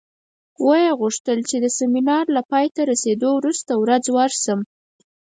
ویې غوښتل چې د سیمینار له پای ته رسېدو وروسته ورځ ورشم.